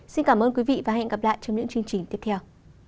xin cảm ơn quý vị và hẹn gặp lại trong những chương trình tiếp theo